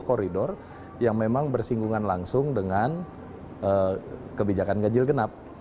koridor yang memang bersinggungan langsung dengan kebijakan ganjil genap